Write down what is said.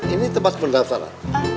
ini tempat pendasaran